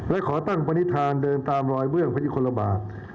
และขอตั้งปณิธานเดินตามรอยเบื้องพระยุคลบาท